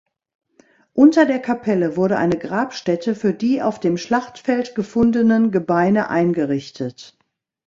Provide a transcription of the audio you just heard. Unter der Kapelle wurde eine Grabstätte für die auf dem Schlachtfeld gefundenen Gebeine eingerichtet.